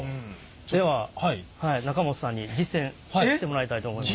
では中本さんに実践してもらいたいと思います。